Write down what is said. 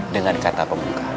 dengan kata pembuka